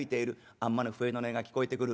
あんまの笛の音が聞こえてくる。